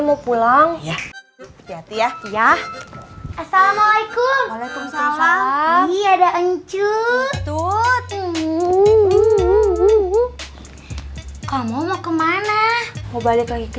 mau pulang ya ya assalamualaikum waalaikumsalam iya ada uncut kamu mau kemana mau balik lagi ke